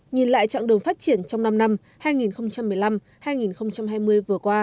nhìn lại trạng đường phát triển trong năm năm hai nghìn một mươi năm hai nghìn hai mươi vừa qua